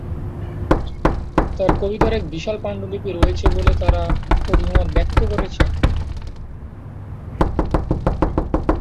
তাঁর কবিতার এক বিশাল পাণ্ডুলিপি রয়েছে বলে তাঁরা অভিমত ব্যক্ত করেছেন।